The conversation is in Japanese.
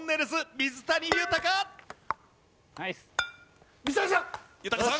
水谷さん！